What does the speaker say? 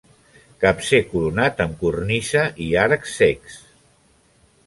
Capcer coronat amb cornisa i arcs cecs.